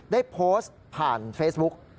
ได้โพสต์ผ่านเฟซบุ๊ก